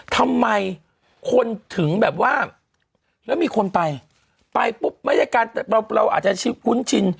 ทำไมคนถึงแบบว่าแล้วมีคนไปไปปุ๊บไม่ได้การแต่เราอาจจะคุ้นชิน